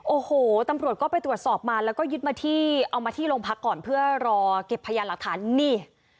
โอ้โหตำรวจก็ไปตรวจสอบมาแล้วก็ยึดมาที่เอามาที่โรงพักก่อนเพื่อรอเก็บพยานหลักฐานนี่